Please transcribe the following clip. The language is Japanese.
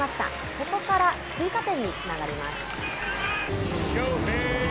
ここから追加点につながります。